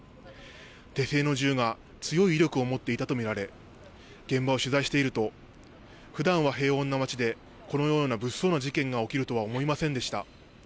手製の銃が強い威力を持っていたと見られ、現場を取材していると、ふだんは平穏な街でこのような物騒な事件が起きるとは思いませんでした。